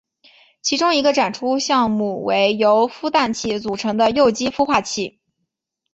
其中一个展出项目为由孵蛋器组成的幼鸡孵化器。